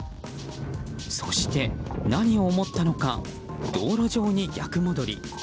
そして、何を思ったのか道路上に逆戻り。